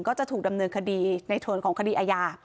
ก็จะถูกดำเนินคดีในส่วนของคดีอาญา